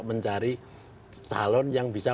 mencari calon yang bisa